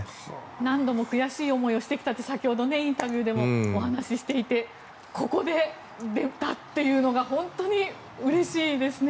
何度も悔しい思いをしてきたって先ほど、インタビューでもお話ししていてここで出たというのが本当にうれしいですね。